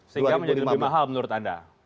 sehingga menjadi lebih mahal menurut anda